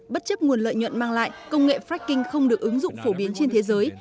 bất chấp nguồn lợi nhuận mang lại công nghệ fracking không được ứng dụng phổ biến trên thế giới